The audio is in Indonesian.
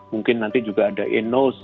mungkin nanti juga ada enouse